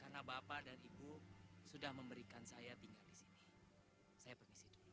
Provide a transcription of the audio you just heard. karena bapak dan ibu sudah memberikan saya tinggal di sini